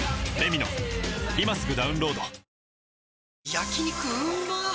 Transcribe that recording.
焼肉うまっ